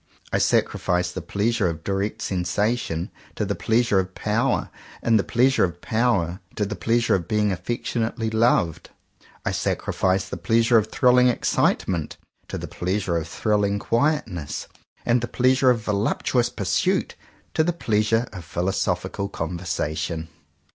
I sacrifice the pleasure of direct sensation to the pleasure of power, and the pleasure of power to the pleasure of being affectionately loved. I sacrifice the pleasure of thrilling excitement to the pleasure of thrilling quietness, and the pleasure of voluptuous pursuit to the pleasure of philosophical conversation.